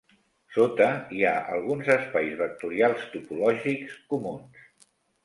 Sota hi ha alguns espais vectorials topològics comuns.